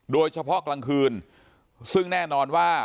โดยเฉพาะกลางคืนซึ่งแน่นอนว่า